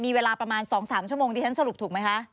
มีเวลาประมาณ๒๓ชั่วโมงดิฉันสรุปถูกไหมคะ